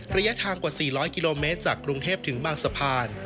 ระยะทางกว่า๔๐๐กิโลเมตรจากกรุงเทพถึงบางสะพาน